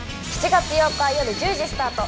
７月８日よる１０時スタート